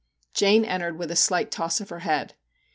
Jane entered with a slight toss of her head.